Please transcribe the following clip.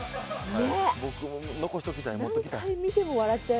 僕、残しておきたい、持っときたい。